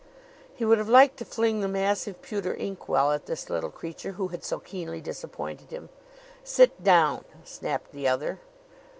He would have liked to fling the massive pewter inkwell at this little creature who had so keenly disappointed him. "Sit down!" snapped the other.